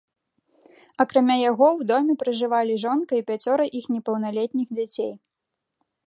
Акрамя яго ў доме пражывалі жонка і пяцёра іх непаўналетніх дзяцей.